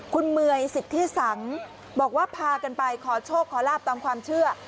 คุณเมย์สิทธิสังบอกว่าพากันไปขอโชคขอลาบตามความเชื่อ